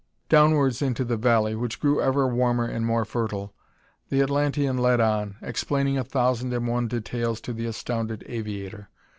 Downwards into the valley, which grew ever warmer and more fertile, the Atlantean led on, explaining a thousand and one details to the astounded aviator.